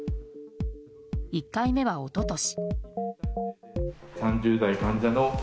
１回目は一昨年。